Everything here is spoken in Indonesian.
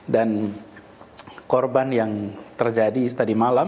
dan korban yang terjadi tadi malam